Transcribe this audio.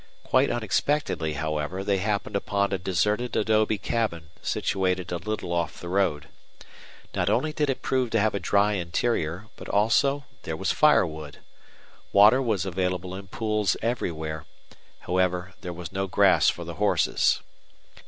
Quite unexpectedly, however, they happened upon a deserted adobe cabin situated a little off the road. Not only did it prove to have a dry interior, but also there was firewood. Water was available in pools everywhere; however, there was no grass for the horses.